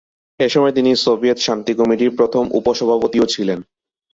এসময় তিনি সোভিয়েত শান্তি কমিটির প্রথম উপ-সভাপতিও ছিলেন।